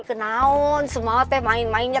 kena on semua teh main mainnya